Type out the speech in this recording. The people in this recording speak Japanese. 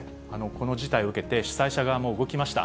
この事態を受けて、主催者側も動きました。